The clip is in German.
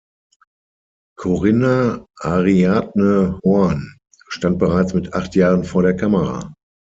Corinna Ariadne Horn stand bereits mit acht Jahren vor der Kamera.